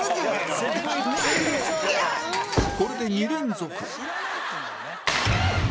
これで２連続